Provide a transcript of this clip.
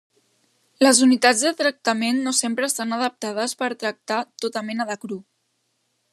Les unitats de tractament no sempre estan adaptades per tractar tota mena de cru.